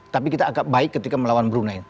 tapi kita agak baik ketika melawan brunei